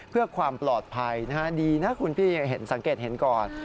เพื่อความปลอดภัยนะฮะดีนะคุณพี่เห็นสังเกตเห็นก่อน